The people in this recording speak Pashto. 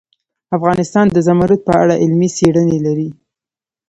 افغانستان د زمرد په اړه علمي څېړنې لري.